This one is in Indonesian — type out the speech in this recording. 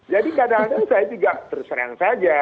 jadi kadang kadang saya tidak terserang saja